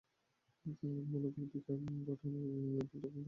এতে তাঁর মনোবিকলন ঘটে, তবে ভুলতে পারেননি একসময়ের রঙিন রত্নরাজি বিক্রির স্মৃতি।